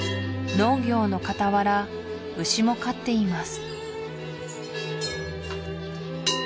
農業の傍ら牛も飼っています